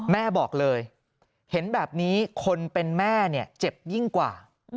แม่บอกเลยเห็นแบบนี้คนเป็นแม่เนี่ยเจ็บยิ่งกว่า